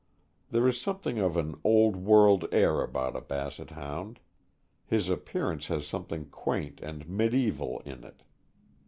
There is something of an Old World air about a Basset Hound; his appearance has something quaint and mediaeval in it.